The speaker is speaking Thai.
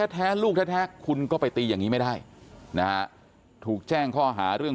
แท้ลูกแท้คุณก็ไปตีอย่างนี้ไม่ได้นะฮะถูกแจ้งข้อหาเรื่อง